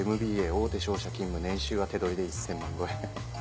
大手商社勤務年収は手取りで１０００万超え。